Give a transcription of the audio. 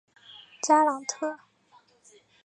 加朗特。